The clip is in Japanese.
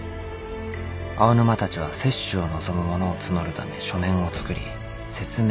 青沼たちは接種を望む者を募るため書面を作り説明を始めた。